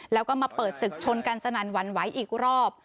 แล้วก็มาเปิดศึกชนกันสนั่นหวั่นไหวอีกรอบ